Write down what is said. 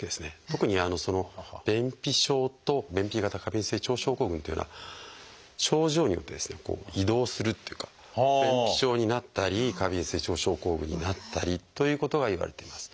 特に「便秘症」と「便秘型過敏性腸症候群」っていうのは症状によって移動するっていうか便秘症になったり過敏性腸症候群になったりということはいわれています。